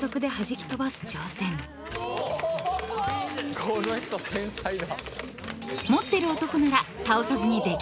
この人天才だ。